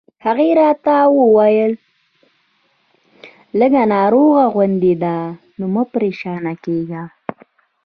هغې راته وویل: لږ ناروغه غوندې ده، نو مه پرېشانه کېږه.